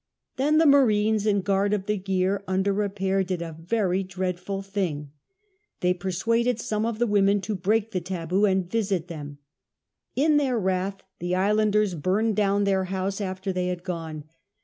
Then the marines in guard of the gear under repair did a very dreadful thing, — they persuaded some of the women to break the tahu and visit them ; in their wrath the islanders burned down tlicir house after they had gone.